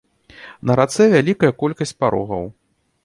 На рацэ вялікая колькасць парогаў.